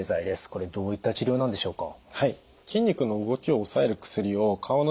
これどういった治療なんでしょうか？